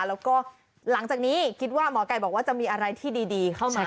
แล้วก็หลังจากนี้คิดว่าหมอไก่บอกว่าจะมีอะไรที่ดีเข้ามา